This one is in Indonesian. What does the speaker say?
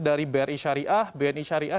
dari bri syariah bni syariah